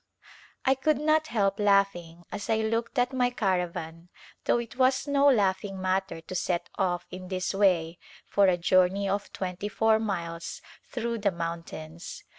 I could not help laughing as I looked at my caravan though it was no laughing matter to set off in this way for a journey of twenty four miles through the moun tains.